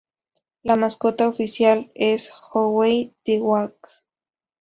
La mascota oficial es Howie the Hawk.